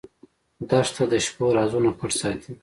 دښته د شپو رازونه پټ ساتي.